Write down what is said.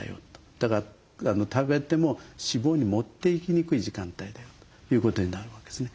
だから食べても脂肪に持っていきにくい時間帯だよということになるわけですね。